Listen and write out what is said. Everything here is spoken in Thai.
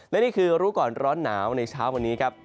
และนี่คือรู้ก่อนร้อนหนาวในเช้าวันนี้ครับ